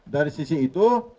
dari sisi itu